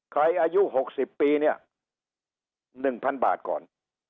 ใครอายุหกสิบปีเนี่ยหนึ่งพันบาทก่อน